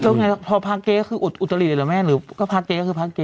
ก็ไงพอพาเก๊คืออดอุตริหรือแม่นหรือก็พาเก๊คือพาเก๊